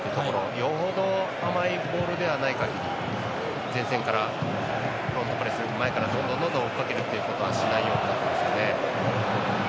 よほど甘いボールではないかぎり前線から前からどんどん追いかけるようにはしないようになってますね。